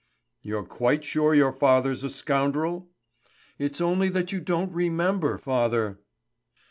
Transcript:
"You're quite sure your father's a scoundrel?" "It's only that you don't remember, father!"